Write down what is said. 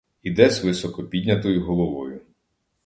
Іде з високо піднятою головою.